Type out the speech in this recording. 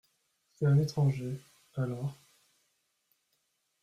C’est un étranger, alors ?